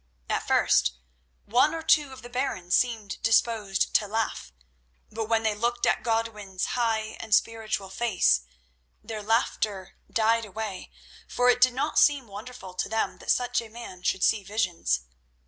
At first one or two of the barons seemed disposed to laugh, but when they looked at Godwin's high and spiritual face, their laughter died away, for it did not seem wonderful to them that such a man should see visions.